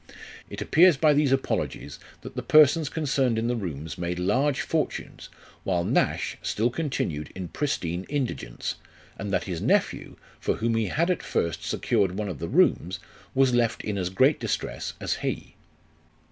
It appears by these apologies, that the persons concerned in the rooms made large fortunes, while Nash still continued in pristine indigence ; and that his nephew, for whom he had at first secured one of the rooms, was left in as great distress as he.